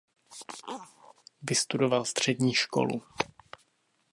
Vystudoval střední školu.